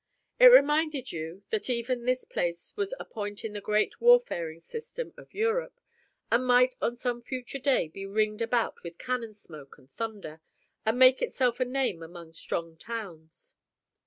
It reminded you, that even this place was a point in the great warfaring system of Europe, and might on some future day be ringed about with cannon smoke and thunder, and make itself a name among strong towns.